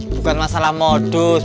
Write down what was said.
bukan masalah modus